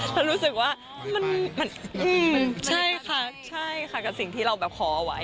เรารู้สึกว่ามันใช่ค่ะใช่ค่ะกับสิ่งที่เราแบบขอเอาไว้